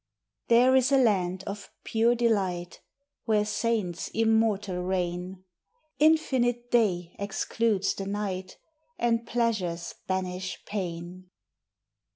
There is a land of pure delight, Where saints immortal reign; Infinite day excludes the night, And pleasures banish pain.